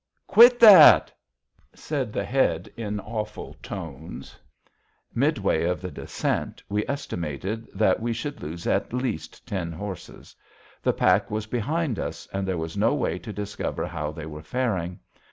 "Quit that!" said the Head, in awful tones. Midway of the descent, we estimated that we should lose at least ten horses. The pack was behind us, and there was no way to discover how they were faring.